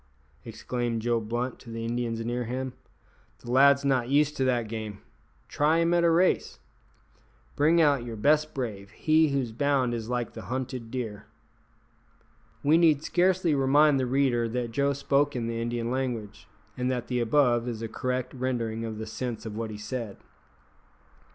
exclaimed Joe Blunt to the Indians near him, "the lad's not used to that game; try him at a race. Bring out your best brave he whose bound is like the hunted deer." We need scarcely remind the reader that Joe spoke in the Indian language, and that the above is a correct rendering of the sense of what he said.